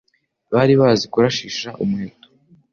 bari bazi kurashisha umuheto